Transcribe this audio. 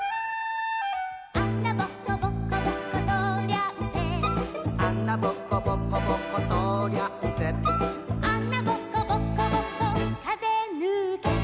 「あなぼこぼこぼことうりゃんせ」「あなぼこぼこぼことうりゃんせ」「あなぼこぼこぼこかぜぬけた」